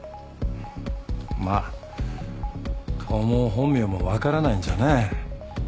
まあ顔も本名も分からないんじゃね。